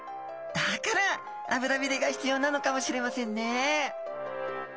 だから脂びれが必要なのかもしれませんね。